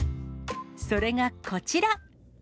それがこちら。